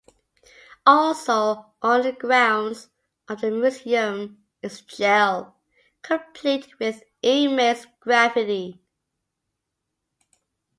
Also on the grounds of the museum is a jail, complete with inmates' graffiti.